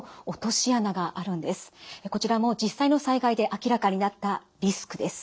こちらも実際の災害で明らかになったリスクです。